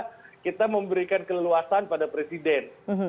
jadi kita berikan keleluasan kepada presiden